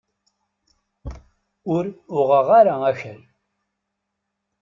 Ur uɣeɣ ara akal.